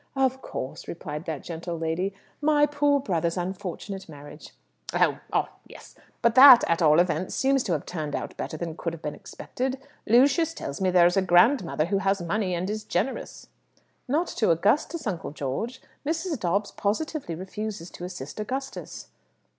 "Of course," replied that gentle lady. "My poor brother's unfortunate marriage " "Oh! Ah! Yes. But that, at all events, seems to have turned out better than could have been expected. Lucius tells me there is a grandmother who has money, and is generous." "Not to Augustus, Uncle George; Mrs. Dobbs positively refuses to assist Augustus."